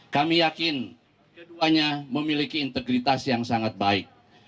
kami yakin keduanya memiliki integritas yang sangat baik